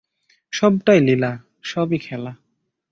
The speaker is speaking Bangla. সবটাই লীলা, সবই খেলা।